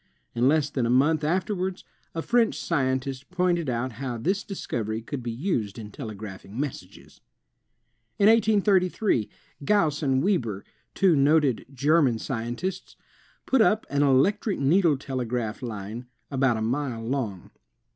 In less than a month afterwards, a French scientist pointed out how this dis covery could be used in telegraphing messages. ^ 1833, Gauss and Weber, two noted German scien tists, put up an electric needle telegraph line, about a mile long.